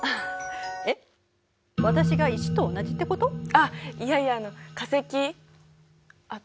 あっいやいやあの化石あっ